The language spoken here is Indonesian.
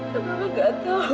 tapi mama gak tahu